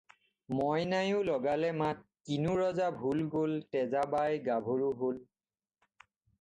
মইনায়ো লগালে মাত, কিনো ৰজা ভোল গ'ল, তেজা বাই গাভৰু হ'ল।